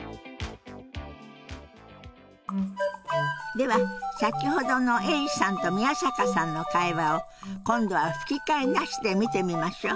では先ほどのエリさんと宮坂さんの会話を今度は吹き替えなしで見てみましょう。